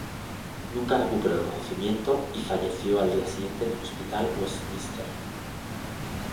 Nunca recuperó el conocimiento y falleció al día siguiente en el hospital Westminster.